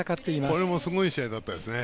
これもすごい試合だったですね。